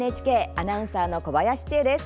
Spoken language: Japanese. アナウンサーの小林千恵です。